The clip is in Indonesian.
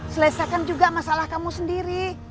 selesaikan juga masalah kamu sendiri